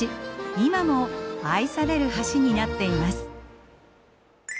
今も愛される橋になっています。